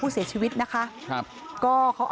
เพื่อหลบโดยการแจ้งกลติภาพเพื่อเธอ